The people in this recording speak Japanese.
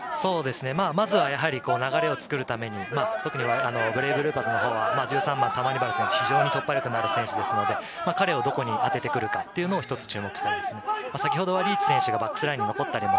まずは流れを作るために、ブレイブルーパスのほうは１３番・タマニバル選手は突破力がある選手ですから、彼をどこに当てて来るかというのも一つ注目したいと思います。